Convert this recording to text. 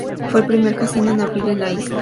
Fue el primer Casino en abrir en la isla.